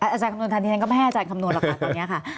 อาจารย์คำนวณทันทีฉะนั้นก็ไม่ให้อาจารย์คำนวณละครับตอนนี้